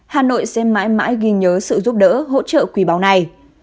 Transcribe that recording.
hà nội sẽ mãi mãi ghi nhớ sự giúp đỡ hỗ trợ quý báu này